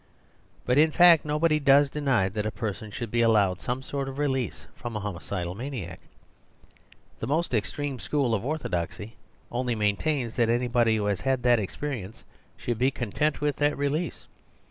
But in fact nobody does deny that a person should be allowed some sort of release from a homicidal maniac. The most extreme school of orthodoxy only maintains that anybody who has had that ex perience should be content with that release.